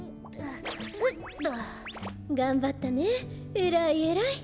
えらいえらい。